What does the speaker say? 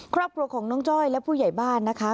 ครอบครัวของน้องจ้อยและผู้ใหญ่บ้านนะคะ